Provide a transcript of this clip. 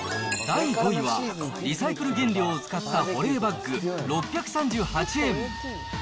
第５位は、リサイクル原料を使った保冷バッグ６３８円。